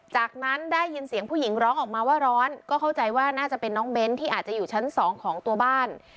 จากนั้นได้ยินเสียงผู้หญิงร้องออกมาว่าร้อนก็เข้าใจว่าน่าจะเป็นน้องเบ้นที่อาจจะอยู่ชั้นสองของตัวบ้าน